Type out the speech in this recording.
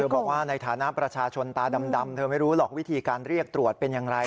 บอกว่าในฐานะประชาชนตาดำเธอไม่รู้หรอกวิธีการเรียกตรวจเป็นอย่างไร